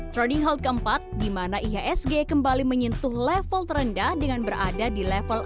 trading health keempat di mana ihsg kembali menyentuh level terendah dengan berada di level empat